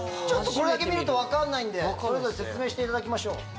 ちょっとこれだけ見ると分かんないんでそれぞれ説明していただきましょう。